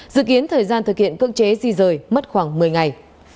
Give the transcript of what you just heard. dự kiến thời gian thực hiện cưỡng chế di rời mất khoảng một mươi ngày